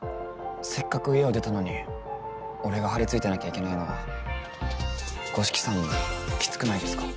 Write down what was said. せっかく家を出たのに俺が張り付いてなきゃいけないのは五色さんもきつくないですか？